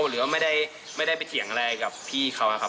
หรือว่าไม่ได้ไปเถียงอะไรกับพี่เขานะครับ